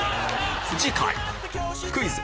次回「クイズ！